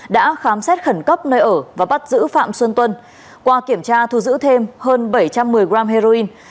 đã khám xét khẩn cấp nơi ở và bắt giữ phạm xuân tuân qua kiểm tra thu giữ thêm hơn bảy trăm một mươi gram heroin